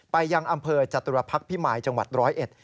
ยังอำเภอจตุรพักษ์พิมายจังหวัดร้อยเอ็ด